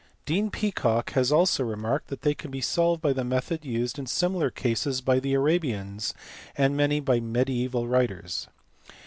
Dean Peacock has also remarked that they can be solved by the method used in similar cases by the Arabians and many mediaeval writers.